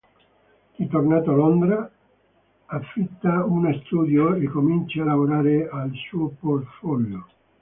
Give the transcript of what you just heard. Ritornato a Londra, affitta uno studio e comincia a lavorare al suo portfolio.